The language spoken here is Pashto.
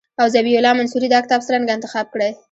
او ذبیح الله منصوري دا کتاب څرنګه انتخاب کړی.